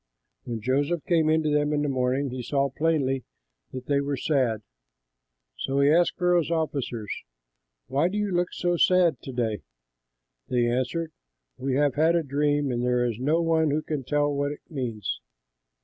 When Joseph came in to them in the morning, he saw plainly that they were sad. So he asked Pharaoh's officers, "Why do you look so sad to day?" They answered, "We have had a dream, and there is no one who can tell what it means."